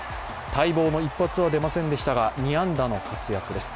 待望の一発は出ませんでしたが２安打の活躍です。